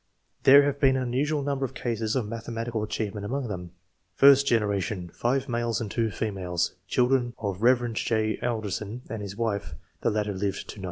There has been an unusual number of cases of mathematical achievement among them. First generation.— 5 males and 2 females, chil dren of the Kev. J. Alderson and his w^ife (the latter lived to 94).